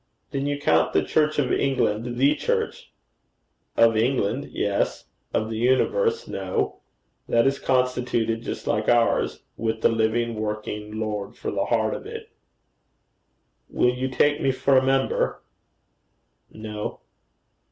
'Then you count the Church of England the Church?' 'Of England, yes; of the universe, no: that is constituted just like ours, with the living working Lord for the heart of it.' 'Will you take me for a member?' 'No.'